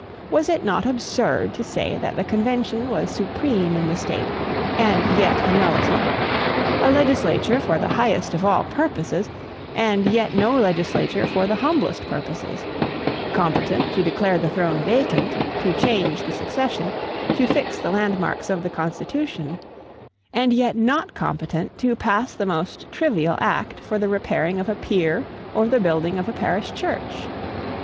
Was it not absurd to say that the Convention was supreme in the state, and yet a nullity; a legislature for the highest of all purposes, and yet no legislature for the humblest purposes; competent to declare the throne vacant, to change the succession, to fix the landmarks of the constitution, and yet not competent to pass the most trivial Act for the repairing of a pier or the building of a parish church?